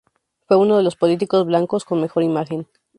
Fue uno de los políticos blancos con mejor imagen.